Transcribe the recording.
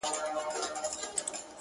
يو ځوان وايي دا ټول تبليغ دئ,